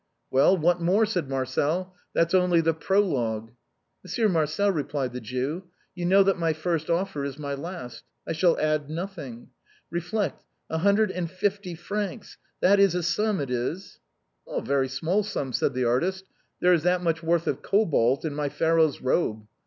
" Well, what more ?" said Marcel :" that's only the prologue." " Monsieur Marcel," replied the Jew, " you know that my first offer is my last. I shall add nothing. Eeflect: a hundred and fifty francs : that is a sum, it is !"" A very small sum," said the artist ;" there is that much worth of cobalt in my Pharoah's robe.